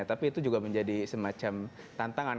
tapi itu juga menjadi semacam tantangan